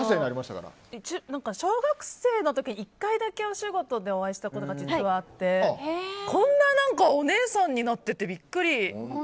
小学生の時に１回だけお仕事でお会いしたことが実はあってこんな、何かお姉さんになってビックリ。